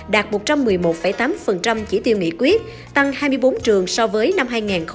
đạt một trăm một mươi một tám chỉ tiêu nghị quyết tăng hai mươi bốn trường so với năm hai nghìn một mươi tám